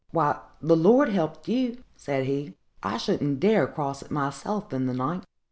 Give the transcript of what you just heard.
"Why, the Lord helped you!" said he; "I shouldn't dare cross it myself in the night.